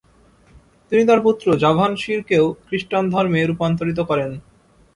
তিনি তার পুত্র জাভানশিরকেও খ্রীস্টান ধর্মে রূপান্তরিত করেন।